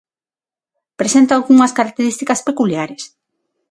Presenta algunhas características peculiares.